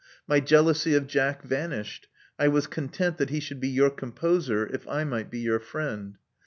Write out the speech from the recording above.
My jealousy of Jack vanished : I was content that he should be your composer, if I might be your friend.